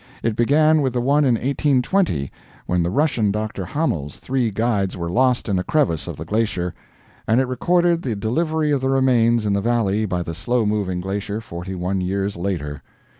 It began with the one in 1820 when the Russian Dr. Hamel's three guides were lost in a crevice of the glacier, and it recorded the delivery of the remains in the valley by the slow moving glacier forty one years later.